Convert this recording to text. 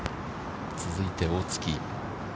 続いて大槻。